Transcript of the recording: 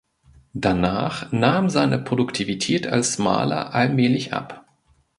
Danach nahm seine Produktivität als Maler allmählich ab.